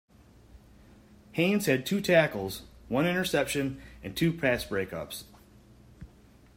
Haynes had two tackles, one interception, and two pass breakups.